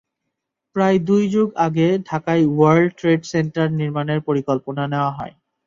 প্রায় দুই যুগ আগে ঢাকায় ওয়ার্ল্ড ট্রেড সেন্টার নির্মাণের পরিকল্পনা নেওয়া হয়।